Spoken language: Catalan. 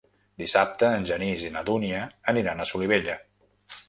Dissabte en Genís i na Dúnia aniran a Solivella.